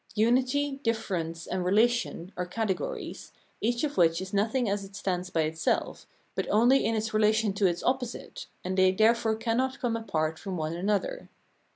Unity, Difference, and Relation are categories, each of which is nothing as it stands by itself, but only in its relation to its opposite, and they therefore cannot come apart from one another.